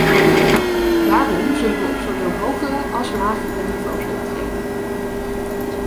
Daarom zullen we op zowel hogere als lagere niveaus optreden.